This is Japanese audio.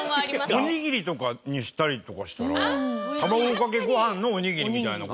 おにぎりとかにしたりとかしたら卵かけご飯のおにぎりみたいな事になるわけですよ。